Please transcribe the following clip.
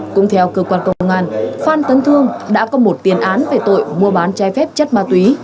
cũng theo cơ quan công an phan tấn thương đã có một tiền án về tội mua bán trái phép chất ma túy